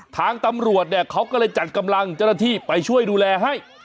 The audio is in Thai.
ทางตำรวจเนี่ยเขาก็เลยจัดกำลังเจ้าหน้าที่ไปช่วยดูแลให้